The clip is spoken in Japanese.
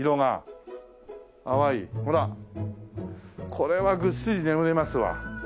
これはぐっすり眠れますわ。